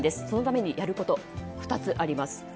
そのためにやることは２つあります。